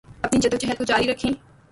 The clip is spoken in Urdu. پنی جدوجہد کو جاری رکھیں